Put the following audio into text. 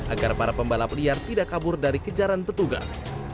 agar para pembalap liar tidak kabur dari kejaran petugas